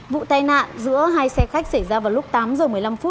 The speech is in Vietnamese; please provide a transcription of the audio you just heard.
vụ tai nạn giữa hai xe khách xảy ra vào lúc tám giờ một mươi năm